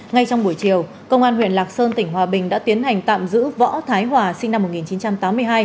ngay trong buổi chiều công an huyện lạc sơn tỉnh hòa bình đã tiến hành tạm giữ võ thái hòa sinh năm một nghìn chín trăm tám mươi hai